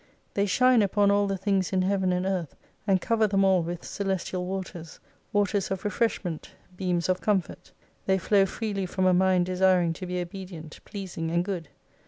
They shine upon all the things in Heaven and Earth and cover them all with celestial waters : waters of refreshment, beams of comfort. They flow freely from a mind desiring to be obedient, pleasing and good.